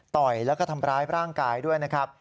ต่อยแล้วก็ทำร้ายร่างกายด้วยนะครับ